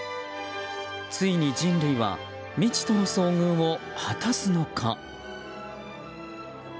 ついに人類は未知との遭遇を果たすのか。